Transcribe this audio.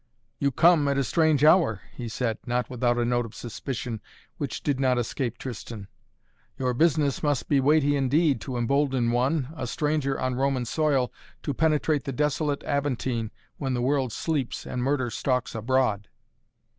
"You come at a strange hour," he said, not without a note of suspicion, which did not escape Tristan. "Your business must be weighty indeed to embolden one, a stranger on Roman soil, to penetrate the desolate Aventine when the world sleeps and murder stalks abroad."